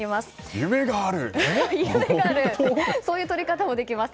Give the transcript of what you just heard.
夢があるそういうとり方もできます。